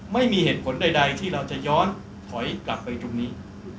ไม่มีเหตุผลใดที่เราจะย้อนถอยกลับไปตรงนี้